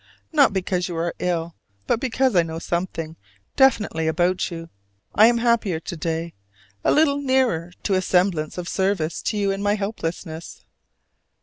Not because you are ill, but because I know something definitely about you, I am happier to day: a little nearer to a semblance of service to you in my helplessness.